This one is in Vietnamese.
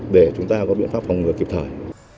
để chúng ta có biện pháp phòng ngừa kịp thời